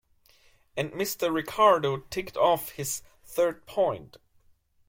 And Mr. Ricardo ticked off his third point.